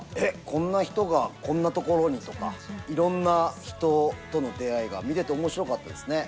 こんな人がこんな所にとか、いろんな人との出会いが見ていておもしろかったですね。